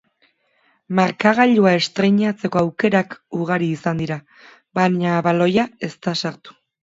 Markagailua estreinatzeko aukerak ugariak izan dira, baina baloia ez da sartu.